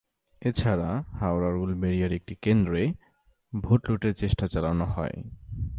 এ ছাড়া হাওড়ার উলবেড়িয়ার একটি কেন্দ্রে ভোট লুটের চেষ্টা চালানো হয়।